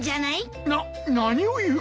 なっ何を言うか。